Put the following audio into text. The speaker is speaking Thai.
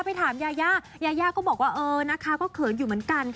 ไปถามยายาก็บอกว่าเออนะคะก็เขินอยู่เหมือนกันค่ะ